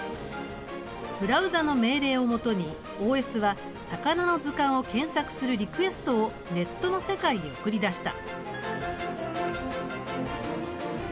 ブラウザの命令をもとにＯＳは魚の図鑑を検索するリクエストをネットの世界に送り出した。